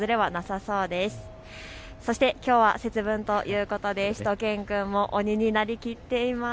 そして、きょうは節分ということでしゅと犬くんも鬼になりきっています。